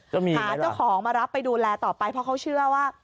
หาเจ้าของมารับไปดูแลต่อไปเพราะเขาเชื่อว่า